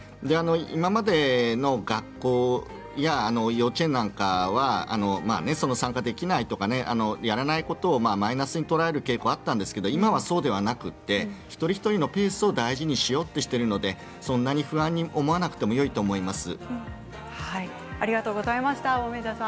今までの学校や幼稚園なんかは参加できないとかやらないことをマイナスに捉える傾向がありましたが今はそうではなくて一人一人のペースを大事にしようとしているのでそんなに不安に思わなくてもよいと思います。